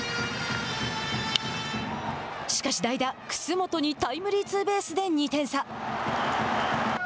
しかし、代打楠本にタイムリーツーベースで２点差。